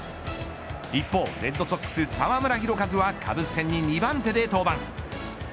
一方、レッドソックス澤村拓一はカブス戦に２番手で登板。